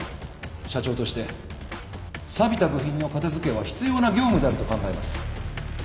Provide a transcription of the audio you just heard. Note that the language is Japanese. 社長としてさびた部品の片付けは必要な業務であると考えます。